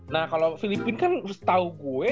nah kalau filipina kan setau gue